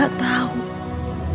aku tiba tiba akan menemukanmu